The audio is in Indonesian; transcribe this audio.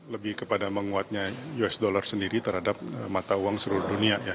lebih kepada menguatnya us dollar sendiri terhadap mata uang seluruh dunia ya